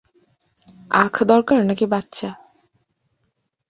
আখ দরকার নাকি বাচ্চা?